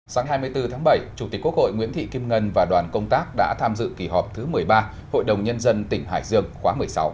sáng hai mươi bốn tháng bảy chủ tịch quốc hội nguyễn thị kim ngân và đoàn công tác đã tham dự kỳ họp thứ một mươi ba hội đồng nhân dân tỉnh hải dương khóa một mươi sáu